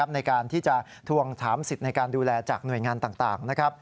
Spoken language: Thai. ในการที่จะทวงถามสิทธิ์ในการดูแลจากหน่วยงานต่าง